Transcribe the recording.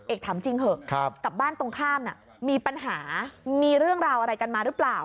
เอกถามจริงเถอะกับบ้านตรงข้ามมีปัญหามีเรื่องราวอะไรกันมาหรือเปล่า